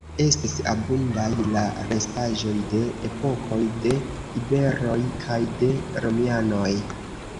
Estis abundaj la restaĵoj de epokoj de iberoj kaj de romianoj.